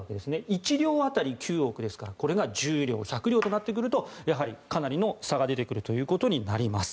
１両当たり９億ですからこれが１０両１００両となってくるとやはり、かなりの差が出てくるということになります。